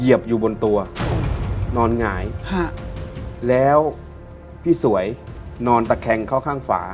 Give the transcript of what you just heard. อยู่บนตัวนอนหงายแล้วพี่สวยนอนตะแคงเข้าข้างฝา